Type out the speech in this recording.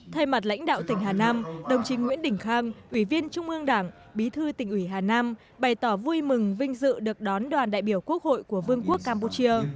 thay mặt lãnh đạo tỉnh hà nam đồng chí nguyễn đình khang ủy viên trung ương đảng bí thư tỉnh ủy hà nam bày tỏ vui mừng vinh dự được đón đoàn đại biểu quốc hội của vương quốc campuchia